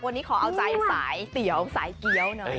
วันนี้ขอเอาใจสายเตี๋ยวสายเกี้ยวหน่อย